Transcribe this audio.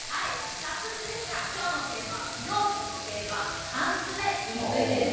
早速ですが、きょうのテーマは非常食の定番、缶詰についてです。